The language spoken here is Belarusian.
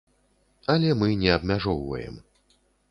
Але мы не абмяжоўваем.